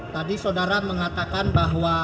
tadi saudara mengatakan bahwa